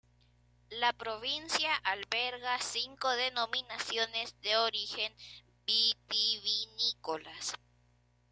La provincia alberga cinco denominaciones de origen vitivinícolas.